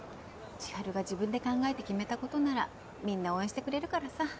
千晴が自分で考えて決めたことならみんな応援してくれるからさ。